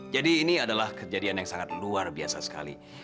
jadi ini adalah kejadian yang sangat luar biasa sekali